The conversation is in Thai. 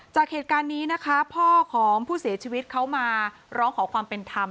จากเหตุการณ์นี้นะคะพ่อของผู้เสียชีวิตเขามาร้องขอความเป็นธรรม